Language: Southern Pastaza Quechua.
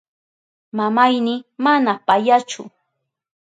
Mamayni mana payachu.